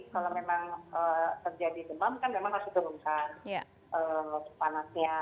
kalau memang terjadi demam kan memang harus diturunkan panasnya